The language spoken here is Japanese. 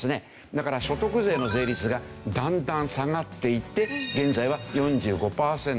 だから所得税の税率がだんだん下がっていって現在は４５パーセント。